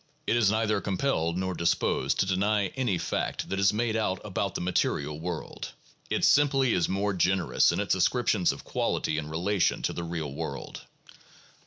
It is neither compelled nor disposed to deny any fact that is made out about the material world; it simply is more generous in its ascriptions of quality and relation to the real world.